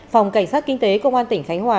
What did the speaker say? phòng cảnh sát kinh tế công an tỉnh khánh hòa